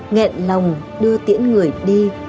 ngẹn lòng đưa tiễn người đi